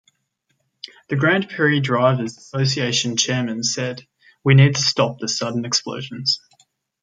The Grand Prix Drivers' Association chairman said: We need to stop the sudden explosions.